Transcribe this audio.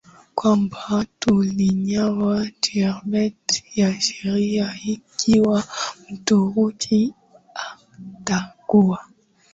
kwamba ulinywa sherbet ya cherry ikiwa Mturuki atakuwa